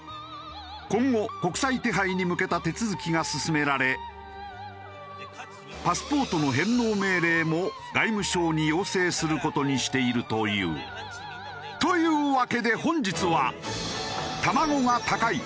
今後国際手配に向けた手続きが進められパスポートの返納命令も外務省に要請する事にしているという。というわけで本日は。